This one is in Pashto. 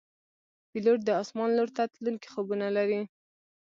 پیلوټ د آسمان لور ته تلونکي خوبونه لري.